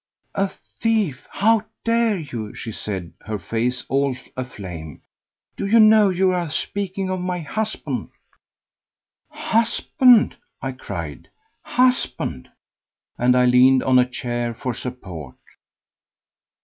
"A thief! How dare you?" she said, her face all aflame. "Do you know you are speaking of my husband?" "Husband!" I cried "Husband!" And I leaned on a chair for support.